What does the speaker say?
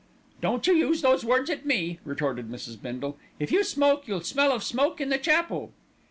"Don't you use those words at me," retorted Mrs. Bindle. "If you smoke you'll smell of smoke in the chapel."